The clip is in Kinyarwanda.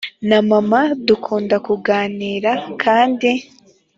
na mama dukunda kuganira kandi